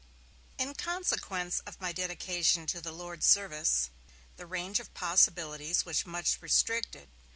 In consequence of my dedication to 'the Lord's Service', the range of possibilities was much restricted.